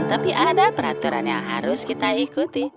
tapi ada peraturan yang harus kita ikuti